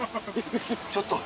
ちょっと。